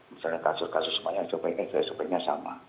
misalnya kasus kasus semuanya sop nya sama